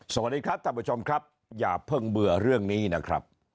สวัสดีครับท่านผู้ชมครับอย่าเพิ่งเบื่อเรื่องนี้นะครับ